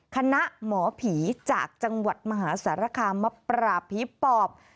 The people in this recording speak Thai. คณะหมอผีจากจังหวัดมหาสารคามมาปราบผีปอบ